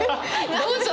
どうぞ！